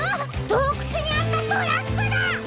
どうくつにあったトラックだ！